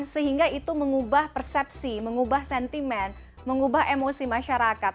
sehingga itu mengubah persepsi mengubah sentimen mengubah emosi masyarakat